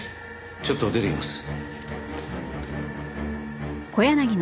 ちょっと出てきます。